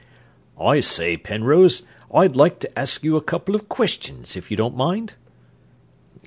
"I say, Penrose, I'd like to ask you a couple of questions, if you don't mind?"